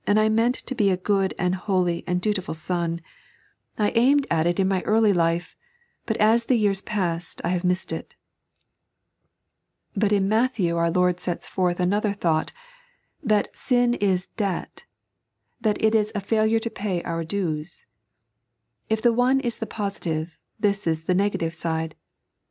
I meant to be a good and holy and dutiful son ; I aimed at 3.n.iized by Google The Debt of Sin. 129 it in my early life, but as the years have passed I have missed it." But in Matthew our Lord sets forth another thought — that ffin ia debt, that it is a ftiilure to pay our dues. If the oue is the positive, this is the negative side.